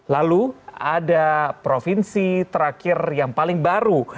lalu ada provinsi terakhir yang paling baru